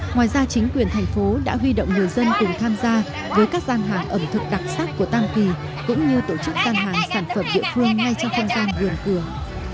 ngoài ra chính quyền thành phố đã huy động người dân cùng tham gia với các gian hàng ẩm thực đặc sắc của tam kỳ cũng như tổ chức gian hàng sản phẩm địa phương ngay trong không gian vườn cường